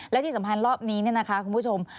และที่สำคัญรอบนี้เนี่ยนะคะคุณผู้ชม